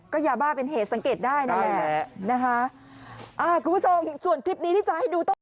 ก็ยาบ้าเป็นเหตุสังเกตได้นั่นแหละนะคะอ่าคุณผู้ชมส่วนคลิปนี้ที่จะให้ดูต้อง